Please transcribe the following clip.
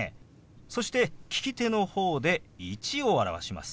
そして利き手の方で「１」を表します。